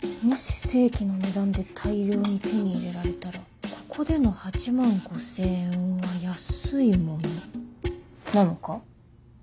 もし正規の値段で大量に手に入れられたらここでの８万５０００円は安いものなのか？